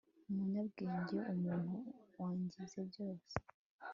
Umunyabwenge umuntu wangije byose